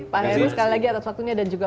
pak heru sekali lagi atas waktunya dan juga